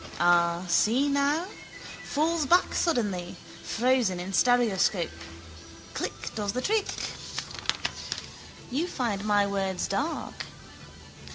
Ah, see now! Falls back suddenly, frozen in stereoscope. Click does the trick. You find my words dark.